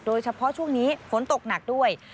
โดยเฉพาะช่วงนี้ฝนตกหนักด้วย